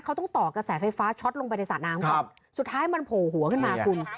เขาต้องต่อกระแสไฟฟ้าช็อตลงไปในสระน้ำครับสุดท้ายมันโผล่หัวขึ้นมาคุณ